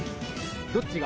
どっちが？